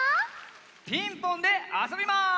「ピンポン」であそびます。